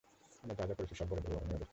আমরা যা যা করেছি, সব বলে দেবো আমি ওদেরকে।